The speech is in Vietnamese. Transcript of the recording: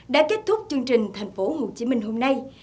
đã kết thúc chương trình thành phố hồ chí minh hôm nay